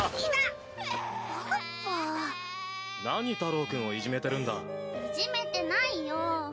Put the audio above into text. パパ何太朗君をいじめてるいじめてないよ